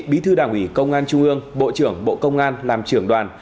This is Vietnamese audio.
bí thư đảng ủy công an trung ương bộ trưởng bộ công an làm trưởng đoàn